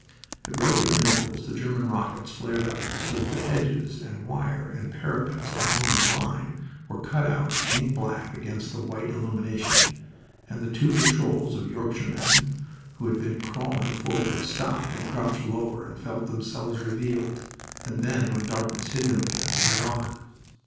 At regular intervals the German rockets flared up so that the hedges and wire and parapets along their line were cut out ink black against the white illumination, and the two patrols of Yorkshiremen who had been crawling forward stopped and crouched lower and felt themselves revealed, and then when darkness hid them again went on.